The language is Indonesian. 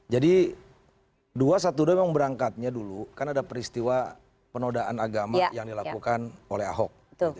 jadi dua ratus dua belas memang berangkatnya dulu kan ada peristiwa penodaan agama yang dilakukan oleh ahok